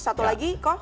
satu lagi kok